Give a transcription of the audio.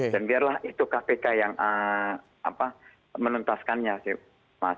dan biarlah itu kpk yang menentaskannya